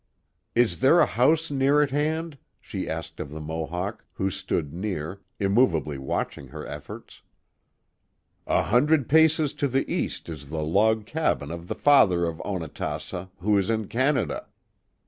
" Is there a house near at hand ?" she asked of the Mohawk, who stood near, immovably watching her efforts, " A hundred paces to the east is the log cabin of the father of Onatassa, who is in Canada."